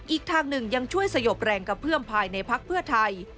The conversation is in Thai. อีกทางหนึ่งยังช่วยสยบแรงกระเพื่อมภายในพักเพื่อไทย